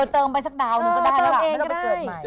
เติมไปสักดาวหนึ่งก็ได้แล้วล่ะไม่ต้องไปเกิดใหม่